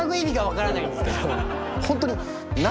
ホントに何？